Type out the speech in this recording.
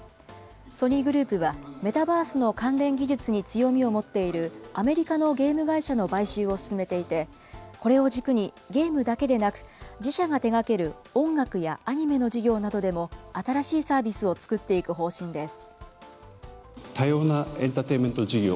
ソニーグループは、メタバースの関連技術に強みを持っているアメリカのゲーム会社の買収を進めていて、これを軸に、ゲームだけでなく、自社が手がける音楽やアニメの事業などでも、新しいサービスをつくっていく方針です。